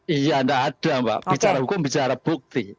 iya tidak ada mbak bicara hukum bicara bukti